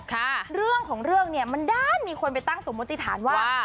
ก็เลยร่องของเรื่องมันด้านมีคนไปตั้งสมมติฐานว่า